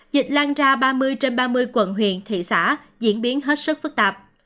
dịch lan ra ba mươi trên ba mươi quận huyện thị xã diễn biến hết sức phức tạp